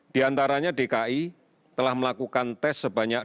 di antaranya dki telah melakukan tes sebanyak dua puluh enam lima ratus dua puluh empat